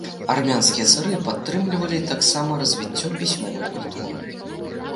Армянскія цары падтрымлівалі таксама развіццё пісьмовай культуры.